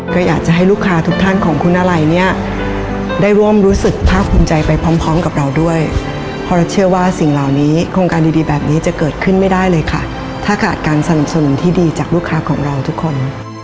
ก็อยากจะให้ลูกค้าทุกท่านของคุณอะไรเนี่ยได้ร่วมรู้สึกภาคภูมิใจไปพร้อมกับเราด้วยเพราะเราเชื่อว่าสิ่งเหล่านี้โครงการดีดีแบบนี้จะเกิดขึ้นไม่ได้เลยค่ะถ้าขาดการสนับสนุนที่ดีจากลูกค้าของเราทุกคน